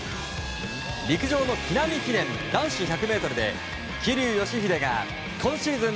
陸上の木南記念男子１００ｍで桐生祥秀が今シーズン